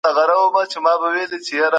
د پوهې میوه خوږه وي.